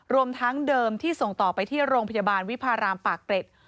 รวมทั้งเดิมที่ส่งต่อไปที่โรงพยาบาลวิพารามปากเกร็ด